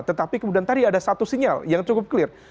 tetapi kemudian tadi ada satu sinyal yang cukup clear